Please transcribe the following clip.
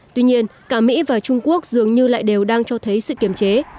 tuy nhiên cả mỹ và trung quốc dường như lại đều đang cho thấy sự kiểm chế